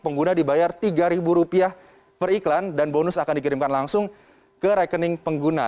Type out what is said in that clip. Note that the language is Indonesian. pengguna dibayar rp tiga per iklan dan bonus akan dikirimkan langsung ke rekening pengguna